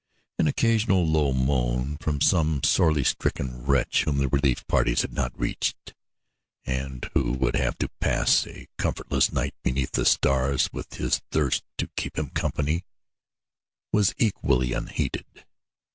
An occasional low moan from some sorely stricken wretch whom the relief parties had not reached, and who would have to pass a comfortless night beneath the stars with his thirst to keep him company, was equally unheeded.